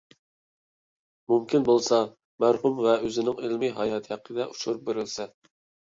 مۇمكىن بولسا مەرھۇم ۋە ئۇنىڭ ئىلمىي ھاياتى ھەققىدە ئۇچۇر بېرىلسە.